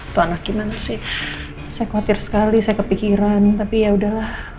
tuhan gimana sih saya khawatir sekali saya kepikiran tapi ya udahlah